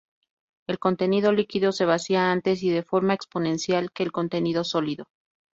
El contenido líquido se vacía antes y de forma exponencial que el contenido sólido.